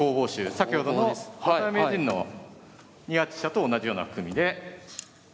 先ほどの渡辺名人の２八飛車と同じような含みで。